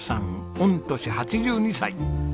御年８２歳！